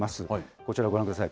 こちらご覧ください。